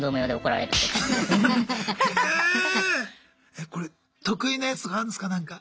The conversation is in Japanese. えこれ得意なやつとかあるんですかなんか。